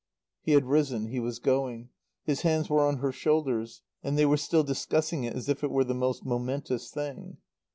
He had risen. He was going. His hands were on her shoulders, and they were still discussing it as if it were the most momentous thing.